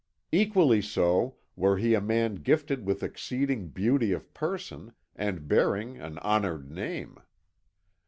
Equally so were he a man gifted with exceeding beauty of person, and bearing an honoured name.